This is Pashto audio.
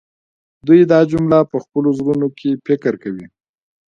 دوی دا جمله په خپلو زړونو کې فکر کوي